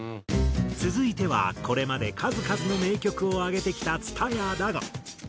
続いてはこれまで数々の名曲を挙げてきた蔦谷だが。